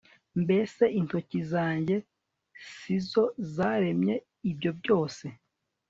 mbese intoki zanjye si zo zaremye ibyo byose